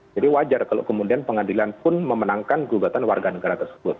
wajar kalau kemudian pengadilan pun memenangkan gugatan warga negara tersebut